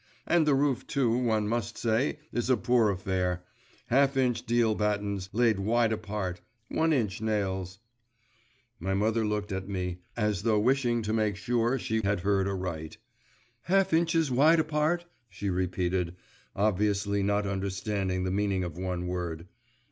And the roof too, one must say, is a poor affair; half inch deal battens, laid wide apart, one inch nails.' My mother looked at me, as though wishing to make sure whether she had heard aright. 'Half inches wide apart,' she repeated, obviously not understanding the meaning of one word.